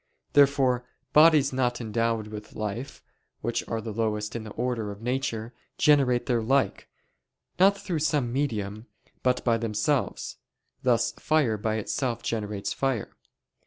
Therefore bodies not endowed with life, which are the lowest in the order of nature, generate their like, not through some medium, but by themselves; thus fire by itself generates fire.